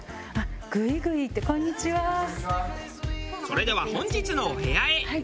それでは本日のお部屋へ。